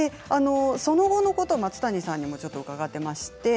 その後のことを松谷さんに伺っています。